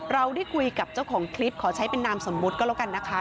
เราได้คุยกับเจ้าของคลิปขอใช้เป็นนามสมมุติก็แล้วกันนะคะ